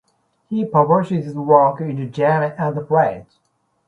He publishes his works in German and French.